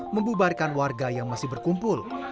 membubarkan warga yang masih berkumpul